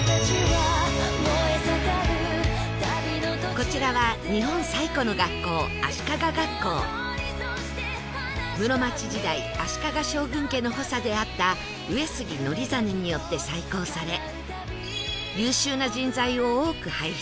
こちらは室町時代足利将軍家の補佐であった上杉憲実によって再興され優秀な人材を多く輩出